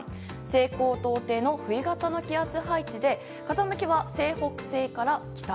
西高東低の冬型の気圧配置で風向きは西北西から北。